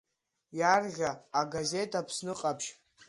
Иарӷьа агазеҭ Аԥсны ҟаԥшь.